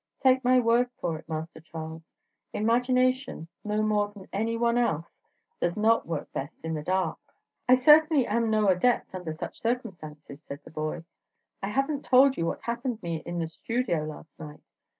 Take my word for it, Master Charles, imagination, no more than any one else, does not work best in the dark." "I certainly am no adept under such circumstances," said the boy. "I have n't told you what happened me in the studio last night.